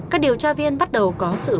các điều tra viên bắt đầu có sự